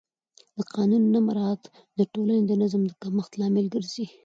د قانون نه مراعت د ټولنې د نظم د کمښت لامل ګرځي